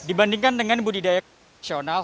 dibandingkan dengan budidaya kasional